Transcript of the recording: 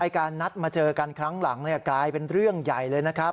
การนัดมาเจอกันครั้งหลังกลายเป็นเรื่องใหญ่เลยนะครับ